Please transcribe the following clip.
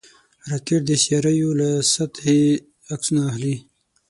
راکټ د سیارویو له سطحې عکسونه اخلي